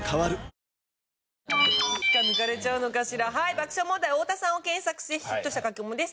爆笑問題太田さんを検索してヒットしたカキコミです。